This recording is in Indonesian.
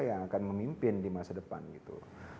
yang akan memimpin di masa depan gitu